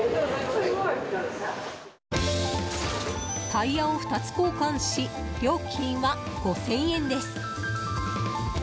タイヤを２つ交換し料金は５０００円です。